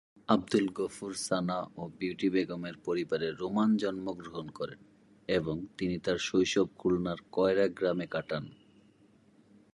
আবদুল গফুর সানা ও বিউটি বেগমের পরিবারে রোমান জন্মগ্রহণ করেন এবং তিনি তার শৈশব খুলনার কয়রা গ্রামে কাটান।